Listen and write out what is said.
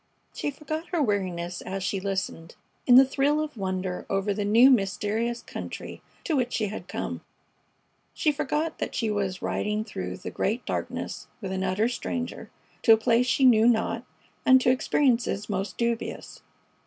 She forgot her weariness as she listened, in the thrill of wonder over the new mysterious country to which she had come. She forgot that she was riding through the great darkness with an utter stranger, to a place she knew not, and to experiences most dubious.